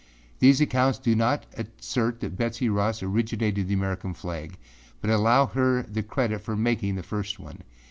These accounts do not assert that Betsey Ross originated the American flag but allow her the credit of making the first one.